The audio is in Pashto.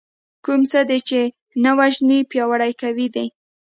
کوم څه دې چې نه وژنې پياوړي کوي دی .